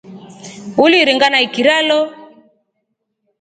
Uliringa na ikira lo.